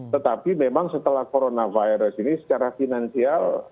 tetapi memang setelah coronavirus ini secara finansial